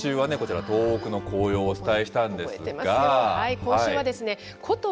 先週はね、こちら、東北の紅葉をお伝えしたんですが。